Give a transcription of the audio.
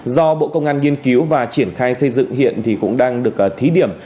do bộ công an nghiên cứu và triển khai xây dựng hiện thì cũng đang được thí điểm